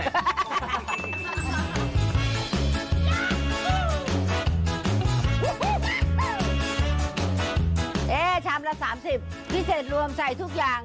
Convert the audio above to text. ชามละ๓๐พิเศษรวมใส่ทุกอย่าง